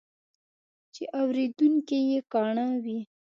چې اورېدونکي یې کاڼه وي.